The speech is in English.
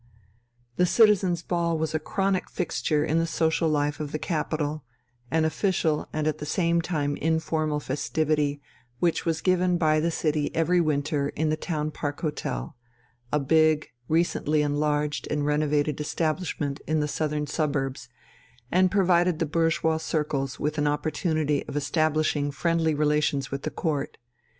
The citizens' ball was a chronic fixture in the social life of the capital, an official and at the same time informal festivity, which was given by the city every winter in the "Townpark Hotel," a big, recently enlarged and renovated establishment in the southern suburbs, and provided the bourgeois circles with an opportunity of establishing friendly relations with the Court.